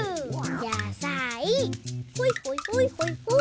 やさいほいほいほいほいほい。